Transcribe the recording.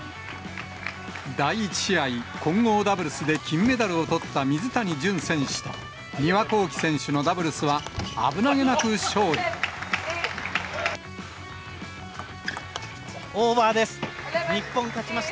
第１試合、混合ダブルスで金メダルをとった水谷隼選手と丹羽孝希選手のダブオーバーです。